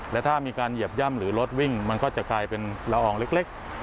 และถ้ามีการเหยียบย่ำหรือรถวิ่งมันก็จะกลายเป็นละอองเล็ก